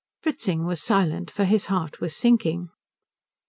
Fritzing was silent, for his heart was sinking.